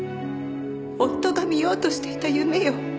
夫が見ようとしていた夢よ。